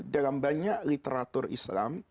dalam banyak literatur islam